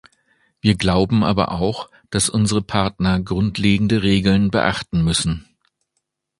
Wir glauben aber auch, dass unsere Partner grundlegende Regeln beachten müssen.